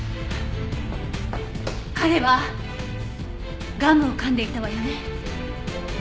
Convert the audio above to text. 彼はガムを噛んでいたわよね。